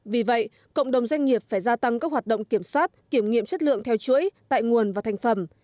vì vậy cộng đồng doanh nghiệp phải gia tăng các hoạt động kiểm soát kiểm nghiệm chất lượng theo chuỗi tại nguồn và thành phẩm